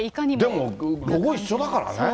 でも、ロゴ一緒だからね。